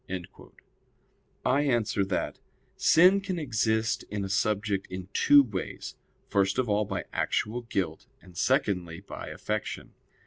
I answer that, Sin can exist in a subject in two ways: first of all by actual guilt, and secondly by affection.